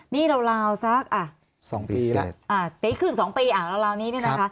นี่ราวสัก๒ปีแล้วไปขึ้น๒ปีราวนี้นะคะ